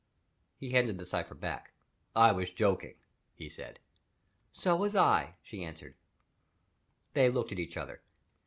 He handed the cipher back. "I was joking," he said. "So was I," she answered. They looked at each other.